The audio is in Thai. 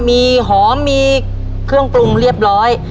มีหอมมีเครื่องปรุงเรียบร้อย